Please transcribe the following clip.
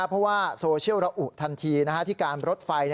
เพราะว่าโซเชียลระอุทันทีที่การรถไฟ